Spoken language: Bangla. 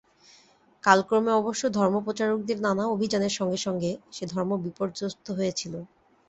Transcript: কালক্রমে অবশ্য ধর্মপ্রচারকদের নানা অভিযানের সঙ্গে সঙ্গে সে ধর্ম বিপর্যস্ত হয়েছিল।